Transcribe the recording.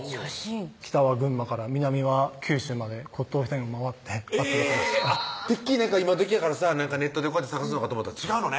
北は群馬から南は九州まで骨董店を回ってえぇてっきり今どきやからさネットでこうやって探すのかと思ったら違うのね